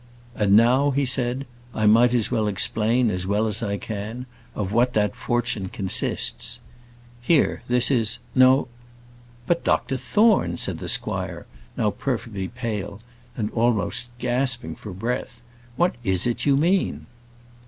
"And now," he said, "I might as well explain, as well as I can, of what that fortune consists. Here, this is no " "But, Dr Thorne," said the squire, now perfectly pale, and almost gasping for breath, "what is it you mean?"